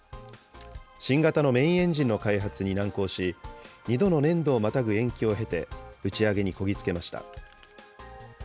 新型のメインエンジンの開発に難航し、２度の年度をまたぐ延期を経て、打ち上げにこぎ着けました。